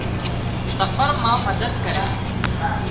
سفر مان مدد ڪري۔